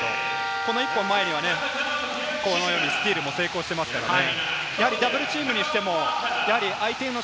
この１本前にスティールも成功していますからね。